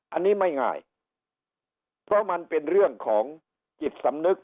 อันนี้ไม่ง่ายเพราะมันเป็นเรื่องของจิตสำนึก